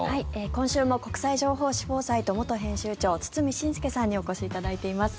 今週も国際情報誌「フォーサイト」元編集長堤伸輔さんにお越しいただいています。